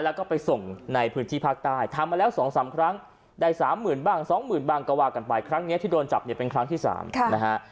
แล้วก็ไปส่งในพื้นที่ภาคใต้ทำมาแล้ว๒๓ครั้งได้สามหมื่นบ้างสองหมื่นบ้างก็ว่ากันไปครั้งนี้ที่โดนจับเนี่ยเป็นครั้งที่๓นะฮะ